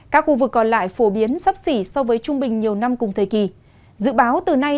các khu vực còn lại phổ biến sắp xỉ so với trung bình nhiều năm cùng thời kỳ